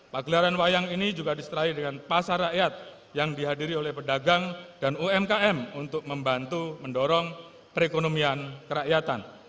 pagelaran wayang ini juga diserai dengan pasar rakyat yang dihadiri oleh pedagang dan umkm untuk membantu mendorong perekonomian kerakyatan